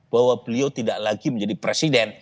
bahwa beliau tidak lagi menjadi presiden